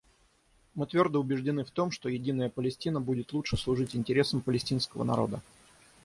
Мы твердо убеждены в том, что единая Палестина будет лучше служить интересам палестинского народа.